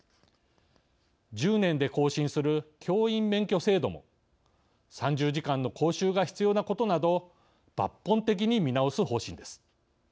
１０年で更新する教員免許制度も３０時間の講習が必要なことなど抜本的に見直す方針です。